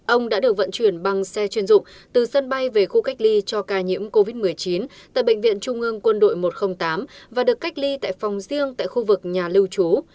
ông đã được vận chuyển bằng xe chuyên dụng từ sân bay về khu cách ly cho ca nhiễm covid một mươi chín tại bệnh viện trung ương quân đội một trăm linh tám và được cách ly tại phòng riêng tại khu vực nhà lưu trú